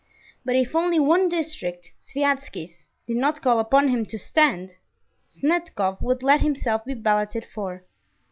But if only one district, Sviazhsky's, did not call upon him to stand, Snetkov would let himself be balloted for.